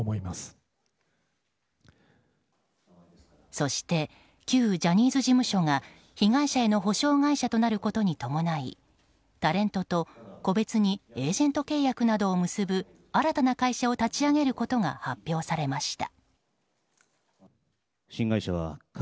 そして旧ジャニーズ事務所が被害者への補償会社となることに伴いタレントと個別にエージェント契約などを結ぶ新たな会社を立ち上げることが発表されました。